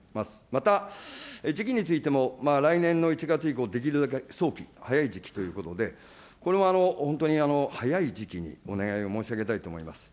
また、時期についても来年の１月以降、できるだけ早期、早い時期ということで、これも本当に早い時期にお願いを申し上げたいと思います。